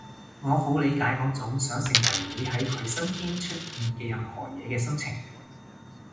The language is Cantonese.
我好理解嗰種想成為會喺佢身邊出現嘅任何嘢嘅心情